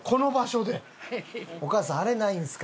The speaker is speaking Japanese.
お母さんあれないんですか？